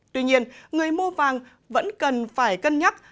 tuy nhiên người mua vàng vẫn cần phải cân nhắc